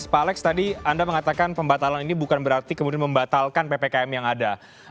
pak alex tadi anda mengatakan pembatalan ini bukan berarti kemudian membatalkan ppkm yang ada